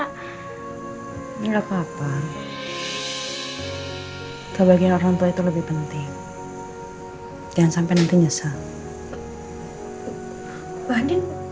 ya makanya kiki tuh takut nenek kenapa napa kan soalnya disini juga gak apa apa kan soalnya disini juga butuh kehadiran kiki